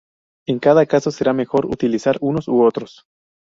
En cada caso será mejor utilizar unos u otros.